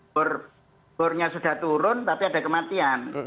bornya sudah turun tapi ada kematian